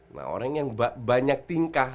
nah orang yang banyak tingkah